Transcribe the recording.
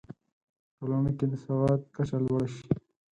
په ټولنه کې د سواد کچه لوړه شي.